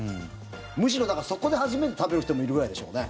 むしろ、そこで初めて食べる人もいるぐらいでしょうね。